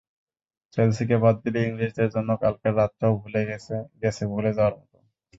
চেলসিকে বাদ দিলে ইংলিশদের জন্য কালকের রাতটাও গেছে ভুলে যাওয়ার মতো।